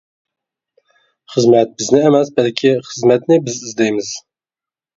خىزمەت بىزنى ئەمەس بەلكى خىزمەتنى بىز ئىزدەيمىز.